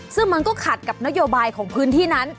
ซึ่งมันก็ขัดกับนโยบายของพื้นที่นั้น